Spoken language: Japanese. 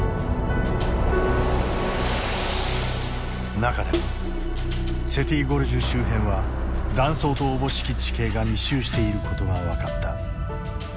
中でもセティ・ゴルジュ周辺は断層とおぼしき地形が密集していることが分かった。